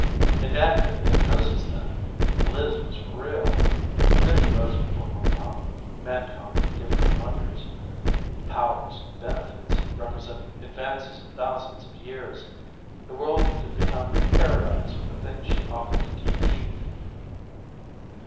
It hadn't been hypnosis then! Liz was for real. A vision rose before Montcalm of mankind given wonders, powers, benefits representing advances of thousands of years. The world could become a paradise with the things she offered to teach.